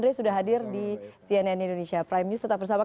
baik kita harus tutup dialog ini karena ini kasus yang masih toujours dikawal